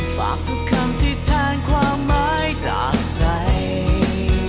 ฝากทุกคำที่แทนความหมายจากใจ